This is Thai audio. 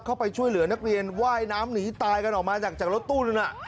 เข้าไปช่วยเหลือนักเรียนว่ายน้ำหนีตายกันออกมาจากรถตู้นึง